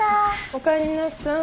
おかえりなさい。